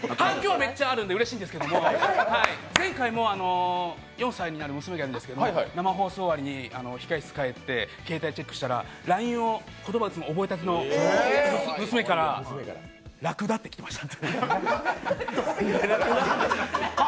めっちゃあるんでうれしいんですけど前回も４歳になる娘がいるんですけど、生放送終わりに控え室帰って携帯チェックしたらＬＩＮＥを、言葉を覚えたての娘から「らくだ」ってきました。